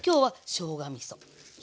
しょうがみそと。